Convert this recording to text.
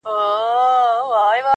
چا ويل ډېره سوخي كوي.